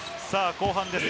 後半です。